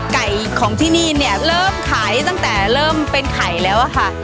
ไก่ของที่นี่เนี่ยเริ่มขายตั้งแต่เริ่มเป็นไข่แล้วอะค่ะ